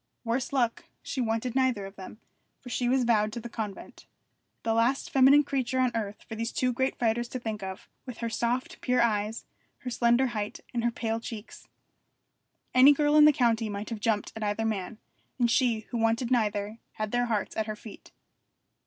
Worse luck, she wanted neither of them, for she was vowed to the convent: the last feminine creature on earth for these two great fighters to think of, with her soft, pure eyes, her slender height, and her pale cheeks. Any girl in the country might have jumped at either man, and she, who wanted neither, had their hearts at her feet.